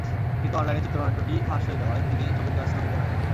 কিন্তু অনলাইনে চিত্রনাট্যটি ফাঁস হয়ে যাওয়ায় তিনি ছবির কাজ স্থগিত রাখেন।